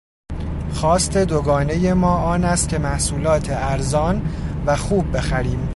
خواست دوگانهی ما آن است که محصولات ارزان و خوب بخریم.